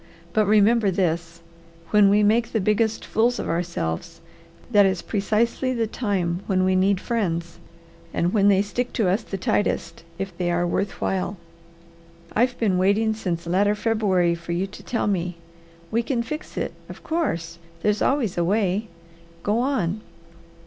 But remember this, when we make the biggest fools of ourselves that is precisely the time when we need friends, and when they stick to us the tightest, if they are worth while. I've been waiting since latter February for you to tell me. We can fix it, of course; there's always a way. Go on!"